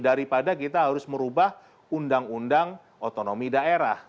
daripada kita harus merubah undang undang otonomi daerah